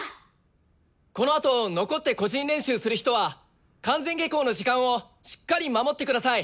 このあと残って個人練習する人は完全下校の時間をしっかり守ってください。